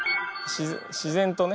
自然とね。